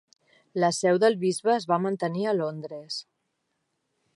La seu del bisbe es va mantenir a Londres.